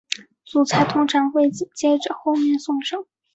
主菜通常会紧接着后面送上。